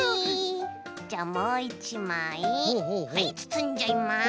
じゃもう１まいはいつつんじゃいます。